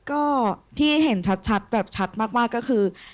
ก็ที่เห็นชัดแบบชัดมากก็คือ